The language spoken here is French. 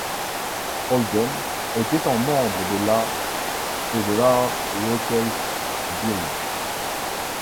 Holden était un membre de la et de l'Art Workers' Guild.